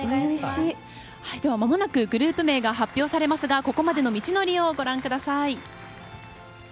まもなくグループ名が発表されますがここまでの道のりをご覧ください。